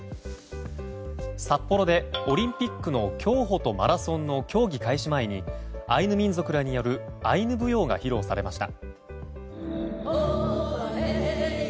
札幌でオリンピックの競歩とマラソンの競技開始前にアイヌ民族らによるアイヌ舞踊が披露されました。